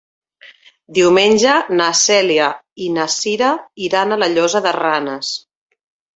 Diumenge na Cèlia i na Cira iran a la Llosa de Ranes.